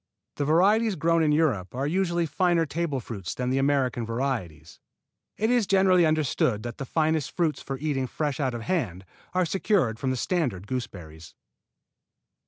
The varieties grown in Europe are usually finer table fruits than the American varieties. It is generally understood that the finest fruits for eating fresh out of hand are secured from the standard gooseberries.